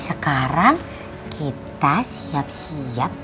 sekarang kita siap siap